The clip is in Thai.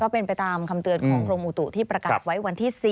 เป็นไปตามคำเตือนของกรมอุตุที่ประกาศไว้วันที่๔